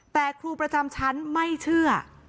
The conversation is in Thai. แต่ครูประจำชั้นไม่เชื่อ